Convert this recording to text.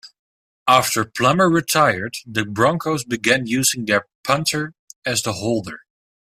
After Plummer retired the Broncos began to use their punter as the holder.